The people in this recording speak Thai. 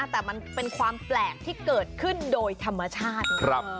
แต่มันเป็นความแปลกที่เกิดขึ้นโดยธรรมชาติ